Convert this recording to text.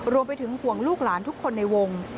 รวมไปถึงห่วงลูกหลานทุกคนในวง